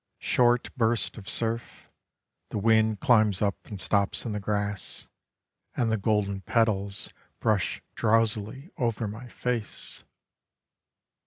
Short bursts of surf, The wind climbs up and stops in the grass; And the golden petals Brush drowsily over my face.